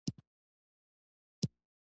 پۀ عالي وصف انسان کې د احساساتي مرکز